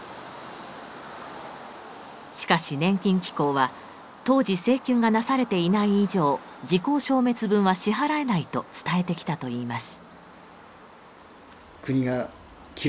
しかし年金機構は当時請求がなされていない以上時効消滅分は支払えないと伝えてきたといいます。